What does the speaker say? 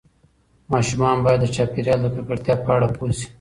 ماشومان باید د چاپیریال د ککړتیا په اړه پوه شي.